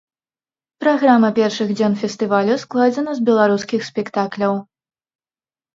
Праграма першых дзён фестывалю складзена з беларускіх спектакляў.